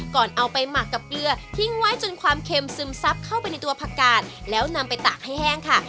ก่อนเอาไปหมักกับเกลือทิ้งไว้จนความเค็มซึมซับเข้าไปในตัวผักกาดแล้วนำไปตากให้แห้งค่ะ